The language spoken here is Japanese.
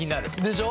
でしょ？